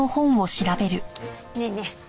ねえねえ